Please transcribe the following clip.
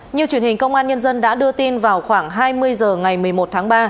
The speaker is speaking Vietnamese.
như truyền hình công an nhân dân đã đưa tin vào khoảng hai mươi h ngày một mươi một tháng ba